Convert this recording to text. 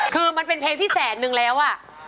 คือมันเป็นเพลงที่แสนนึงแล้ว